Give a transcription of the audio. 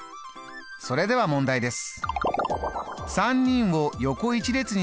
それでは問題です。